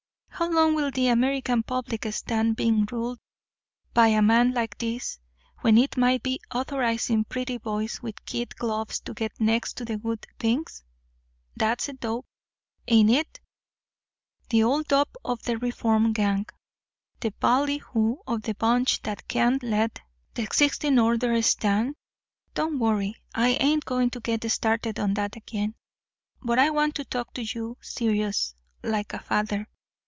How long will the American public stand being ruled by a man like this, when it might be authorizing pretty boys with kid gloves to get next to the good things? That's the dope, ain't it the old dope of the reform gang the ballyhoo of the bunch that can't let the existing order stand? Don't worry, I ain't going to get started on that again. But I want to talk to you serious like a father.